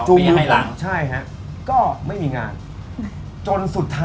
๒ปีให้หลังอเจมส์จูมือผมใช่ฮะก็ไม่มีงานจนสุดท้าย